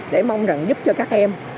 để mong rằng giúp cho các em